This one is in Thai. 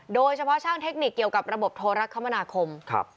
โดยเฉพาะช่างเทคนิคเกี่ยวกับระบบโทรคมนาคม